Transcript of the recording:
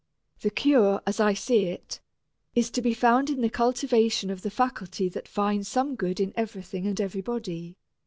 The cure, as I see it, is to be found in the cultivation of the faculty that finds some good in everything and everybody.